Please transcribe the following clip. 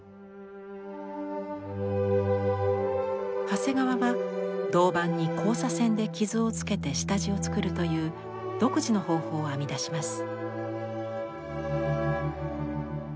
長谷川は銅板に交差線で傷をつけて下地を作るという独自の方法を編み出します。